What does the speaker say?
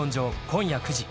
今夜９時。